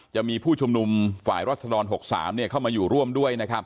จะมีผู้ชมนุมฝ่ายรสด๖๓เข้ามาอยู่ร่วมด้วย